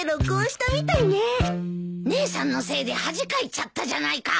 姉さんのせいで恥かいちゃったじゃないか。